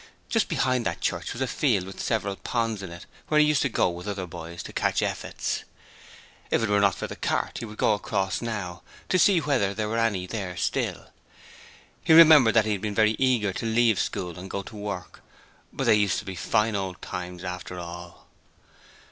Just behind that church was a field with several ponds in it where he used to go with other boys to catch effets. If it were not for the cart he would go across now, to see whether there were any there still. He remembered that he had been very eager to leave school and go to work, but they used to be fine old times after all.